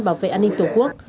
bảo vệ an ninh tổ quốc